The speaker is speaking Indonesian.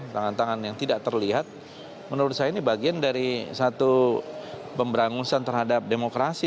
tangan tangan yang tidak terlihat menurut saya ini bagian dari satu pemberangusan terhadap demokrasi